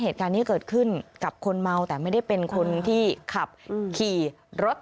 เหตุการณ์นี้เกิดขึ้นกับคนเมาแต่ไม่ได้เป็นคนที่ขับขี่รถ